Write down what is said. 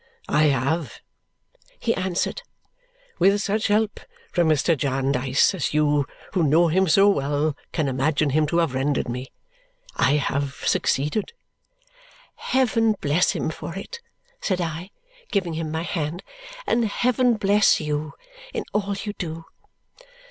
"I have," he answered. "With such help from Mr. Jarndyce as you who know him so well can imagine him to have rendered me, I have succeeded." "Heaven bless him for it," said I, giving him my hand; "and heaven bless you in all you do!"